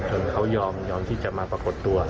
เขายอมที่จะมาปรากฏตัว